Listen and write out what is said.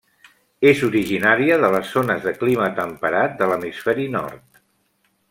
És originària de les zones de clima temperat de l'hemisferi nord.